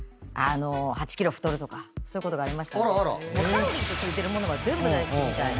カロリーと付いてるものは全部大好きみたいな。